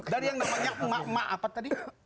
dari yang namanya mak apa tadi